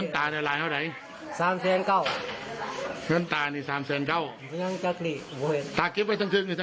ตาเกลียดไว้สร้างซึ่งหรือสร้างใต้